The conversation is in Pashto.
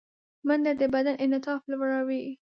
منډه د بدن انعطاف لوړوي